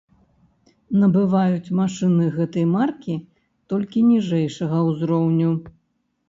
Набываюць машыны гэтай маркі толькі ніжэйшага ўзроўню.